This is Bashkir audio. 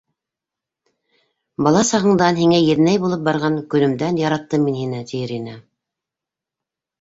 «Бала сағыңдан, һиңә еҙнәй булып барған көнөмдән яраттым мин һине!» - тиер ине.